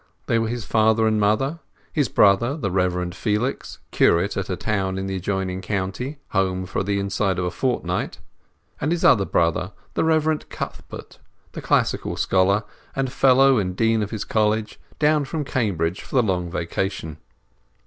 They were his father and mother, his brother the Reverend Felix—curate at a town in the adjoining county, home for the inside of a fortnight—and his other brother, the Reverend Cuthbert, the classical scholar, and Fellow and Dean of his College, down from Cambridge for the long vacation.